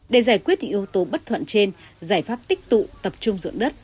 để giải quyết những yếu tố bất thuận trên giải pháp tích tụ tập trung dưỡng đất